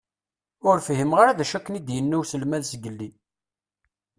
Ur fhimeɣ ara d acu akken i d-inna uselmad zgelli.